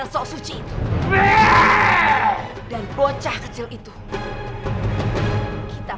ada itu ada cahaya terang